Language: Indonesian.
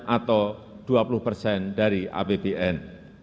atau dua puluh persen dari apbn